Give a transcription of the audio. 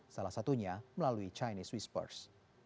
salah satunya melalui chinese whispers